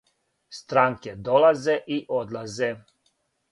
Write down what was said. Странке долазе и одлазе.